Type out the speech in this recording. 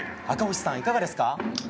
赤星さん、いかがですか？